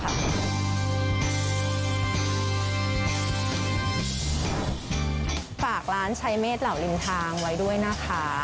ฝากร้านใช้เมฆเหล่าริมทางไว้ด้วยนะคะ